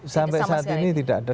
sampai saat ini tidak ada